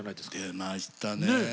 出ましたね。